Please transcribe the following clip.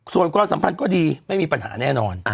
ส่วนความสัมพันธ์ก็ดีไม่มีปัญหาแน่นอน